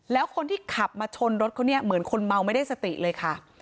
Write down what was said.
แล้วคนที่ขับมาชนรถเขาเนี่ยเหมือนคนเมาไม่ได้สติเลยค่ะ